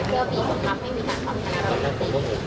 เวลาปีของคุณครับไม่มีความคิดของคุณครับ